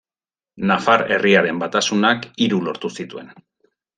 Nafar Herriaren Batasunak hiru lortu zituen.